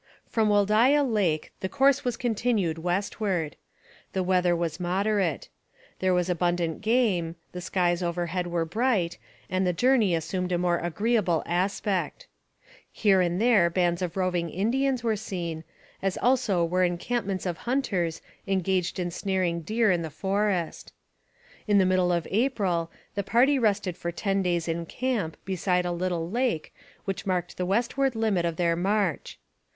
From Wholdaia Lake the course was continued westward. The weather was moderate. There was abundant game, the skies overhead were bright, and the journey assumed a more agreeable aspect. Here and there bands of roving Indians were seen, as also were encampments of hunters engaged in snaring deer in the forest. In the middle of April, the party rested for ten days in camp beside a little lake which marked the westward limit of their march.